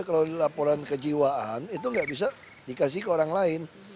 kalau laporan kejiwaan itu nggak bisa dikasih ke orang lain